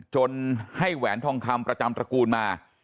จนให้แหวนทองคำประจำตระกูลมา